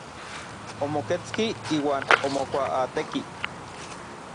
Omoketski iuan omokuaatekij.